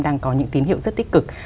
đang có những tín hiệu rất tích cực